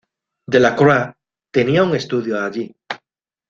Delacroix tenía un estudio ahí.